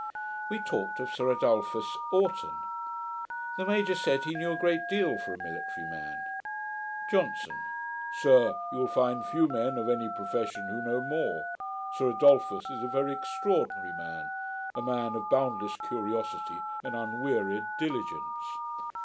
We talked of Sir Adolphus Oughton. The Major said, he knew a great deal for a military man. JOHNSON. 'Sir, you will find few men, of any profession, who know more. Sir Adolphus is a very extraordinary man; a man of boundless curiosity and unwearied diligence.'